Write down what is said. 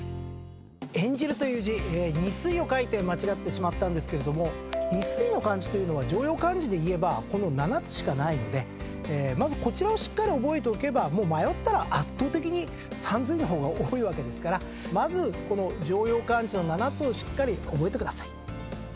「演じる」という字にすいを書いて間違ったんですけれどもにすいの漢字は常用漢字でいえばこの７つしかないのでまずこちらを覚えておけばもう迷ったら圧倒的にさんずいの方が多いわけですからまずこの常用漢字の７つをしっかり覚えてください。